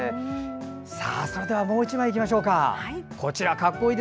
それではもう１枚いきましょう。